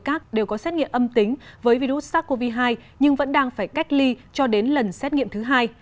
các đều có xét nghiệm âm tính với virus sars cov hai nhưng vẫn đang phải cách ly cho đến lần xét nghiệm thứ hai